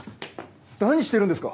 何してるんですか！